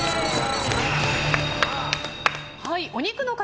お肉の塊